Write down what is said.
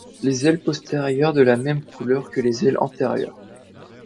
Les ailes postérieures sont de la même couleur que les ailes antérieures.